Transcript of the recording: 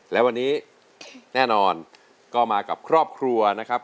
และวันนี้แน่นอนก็มากับครอบครัวนะครับ